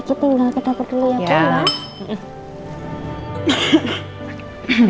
kiki tinggal kedokter dulu ya pak